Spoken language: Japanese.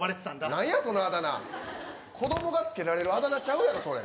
なんやそのあだ名、子供がつけられるあだ名ちゃうやろ。